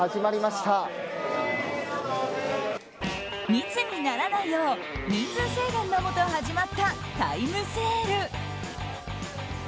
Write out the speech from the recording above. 密にならないよう人数制限のもと始まったタイムセール。